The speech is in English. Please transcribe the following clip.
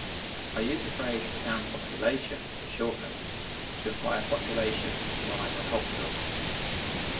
I use the phrase "town population" for shortness, to imply a population non agricultural.